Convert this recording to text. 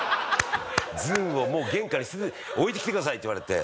ずんを玄関に置いてきてくださいって言われて。